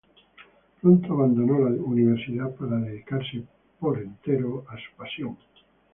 Pronto abandonó la universidad para dedicarse por entero a su pasión.